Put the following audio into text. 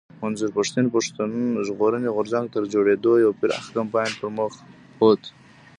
منظور پښتين پښتون ژغورني غورځنګ تر جوړېدو يو پراخ کمپاين پر مخ بوت